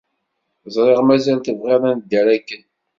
Ẓriɣ mazal tebɣid ad nedder akken.